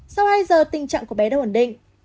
sau hai giờ tình trạng của bé đã ổn định